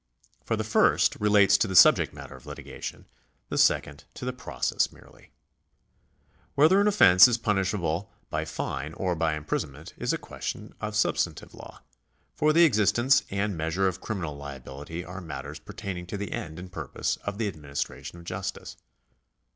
For the first relates to the subject matter of litigation, the second to the process merely. Whether an offence is punishable by fine or by imprisonment is a question of substantive law, for the existence and measure of criminal liability are matters per taining to the end and purpose of the administration of justice.